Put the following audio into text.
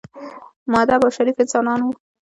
مودب او شریف انسانان وو.